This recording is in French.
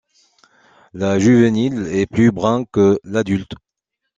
Le juvénile est plus brun que l'adulte.